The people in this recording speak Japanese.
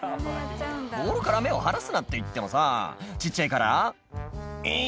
「ボールから目を離すなって言ってもさ小っちゃいから」